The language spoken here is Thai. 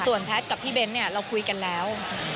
ส่วนแพทย์กับพี่เบ้นเนี่ยเราคุยกันแล้ว